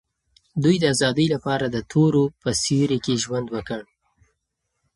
دوی د آزادۍ لپاره د تورو په سیوري کې ژوند وکړ.